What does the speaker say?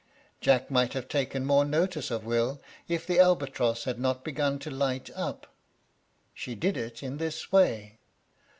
Jack might have taken more notice of Will, if the albatross had not begun to light up. She did it in this way.